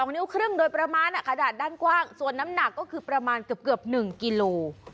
นิ้วครึ่งโดยประมาณกระดาษด้านกว้างส่วนน้ำหนักก็คือประมาณเกือบ๑กิโล